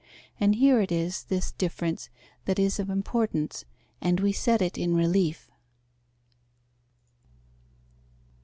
And here it is this difference that is of importance and we set it in relief.